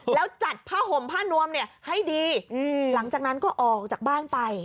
แล้วจัดผ้าห่มผ้านวมเนี่ยให้ดีหลังจากนั้นก็ออกจากบ้านไป